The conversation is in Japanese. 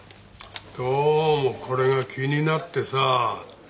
どうもこれが気になってさ。